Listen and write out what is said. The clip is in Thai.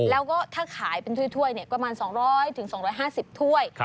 แล้วก็ถ้าขายเป็นถ้วยประมาณ๒๐๐๒๕๐ถ้วย